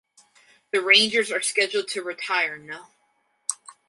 The Rangers are scheduled to retire no.